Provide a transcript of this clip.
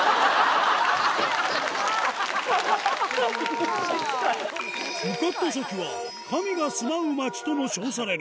向かった先は「神が住まう町」とも称される